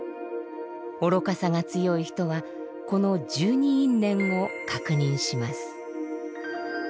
愚かさが強い人はこの十二因縁を確認します。